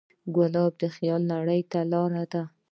ګلاب د خیال نړۍ ته لاره ده.